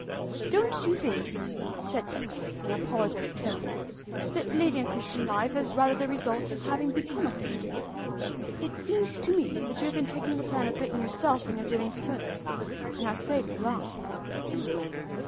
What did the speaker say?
"Don't you think," said Tipps, in an apologetic tone, "that leading a Christian life is rather the result of having become a Christian? It seems to me that you have been taking the plan of putting yourself and your doings first, and our Saviour last."